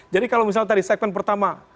jadi kalau misalnya tadi segmen pertama